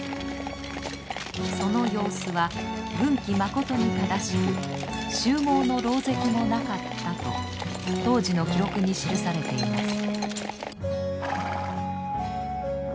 その様子は軍紀まことに正しく秋毫の狼藉もなかったと当時の記録に記されています。